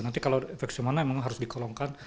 nanti kalau efek semuanya memang harus dikolongkan